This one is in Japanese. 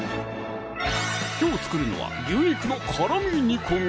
きょう作るのは「牛肉の辛み煮込み」